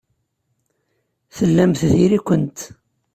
Tellamt diri-kent.